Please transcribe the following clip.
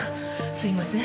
すいません。